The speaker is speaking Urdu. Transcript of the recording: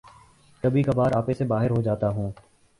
کبھی کبھار آپے سے باہر ہو جاتا ہوں